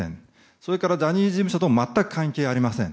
それからジャニーズ事務所とも全く関係ありません。